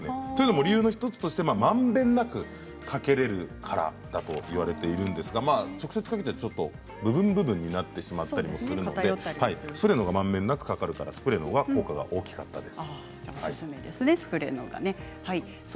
理由の１つとして、まんべんなくかけられるからだといわれているんですが直接かけると部分部分になってしまったりもするのでスプレーのほうがまんべんなくかけられるからスプレーのほうが効果が大きかったです。